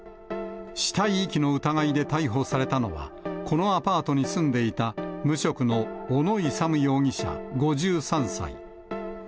死体遺棄の疑いで逮捕されたのは、このアパートに住んでいた無職の小野勇容疑者５３歳。